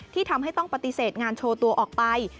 ที่ทำให้ต้องปฏิเสธงานโชว์ตัวออกไป